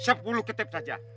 sepuluh ketep saja